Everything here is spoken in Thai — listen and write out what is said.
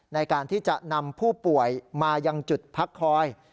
ในการที่จะนำผู้ป่วยมายังจุดพักคอย